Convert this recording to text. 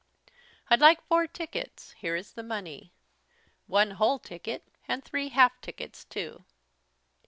"I'd like four tickets. Here is the money. One whole ticket and three half tickets too."